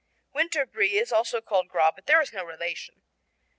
Winter Brie is also called Gras but there is no relation.